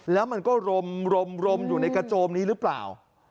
แล้วมันก็รมอยู่ในกระโจมนี้หรือเปล่า